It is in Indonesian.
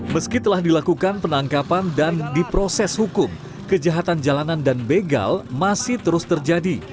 meski telah dilakukan penangkapan dan diproses hukum kejahatan jalanan dan begal masih terus terjadi